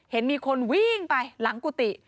เห็นมีคนวิ่งไปหลังกุฏิ